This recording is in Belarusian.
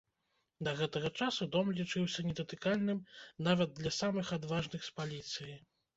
Да гэтага часу дом лічыўся недатыкальным нават для самых адважных з паліцыі.